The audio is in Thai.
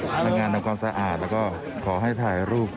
พนักงานทำความสะอาดแล้วก็ขอให้ถ่ายรูป